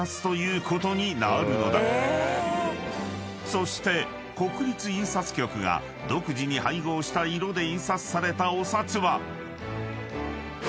［そして国立印刷局が独自に配合した色で印刷されたお札は］